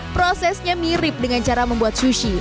prosesnya mirip dengan cara membuat sushi